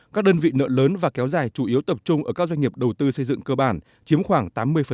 các đơn vị nợ lớn và kéo dài chủ yếu tập trung ở các doanh nghiệp đầu tư xây dựng cơ bản chiếm khoảng tám mươi